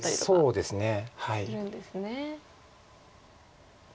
そうですね。